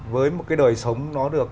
với một cái đời sống nó được